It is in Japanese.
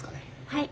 はい。